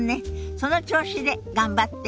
その調子で頑張って。